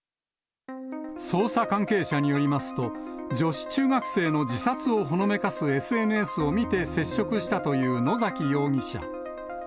捜査関係者によりますと、女子中学生の自殺をほのめかすＳＮＳを見て接触したという野崎容疑者。